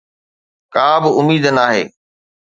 ڪا به اميد ناهي